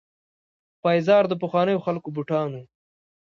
پایزار د پخوانیو خلکو بوټان وو.